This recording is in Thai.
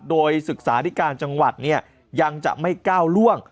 โดยศึกษาธิการจังหวัดเนี่ยยังจะไม่ก้าวล่วง